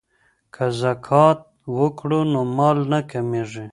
که زکات ورکړو نو مال نه کمیږي.